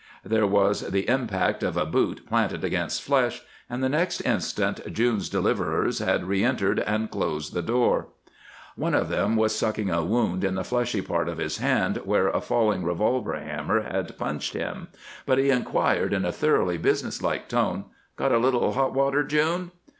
There was the impact of a boot planted against flesh, and the next instant June's deliverers had re entered and closed the door. One of them was sucking a wound in the fleshy part of his hand where a falling revolver hammer had punched him, but he inquired in a thoroughly business like tone, "Got a little hot water, June?"